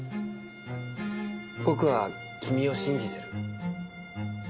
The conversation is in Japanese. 僕は君を信じてる。